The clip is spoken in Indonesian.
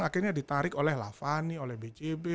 akhirnya ditarik oleh lavani oleh bcb